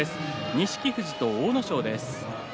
錦富士と阿武咲です。